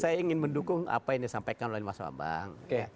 saya ingin mendukung apa yang disampaikan oleh mas bambang